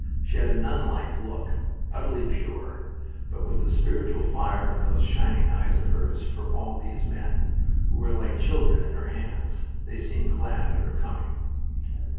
She had a nunlike look, utterly pure, but with a spiritual fire in those shining eyes of hers for all these men, who were like children in her hands. They seemed glad at her coming.